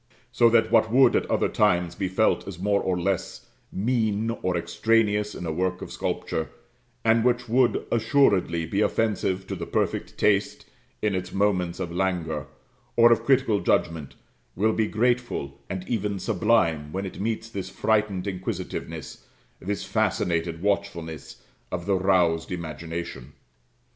So that what would at other times be felt as more or less mean or extraneous in a work of sculpture, and which would assuredly be offensive to the perfect taste in its moments of languor, or of critical judgment, will be grateful, and even sublime, when it meets this frightened inquisitiveness, this fascinated watchfulness, of the roused imagination.